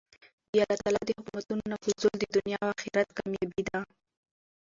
د الله تعالی د حکمونو نافذول د دؤنيا او آخرت کاميابي ده.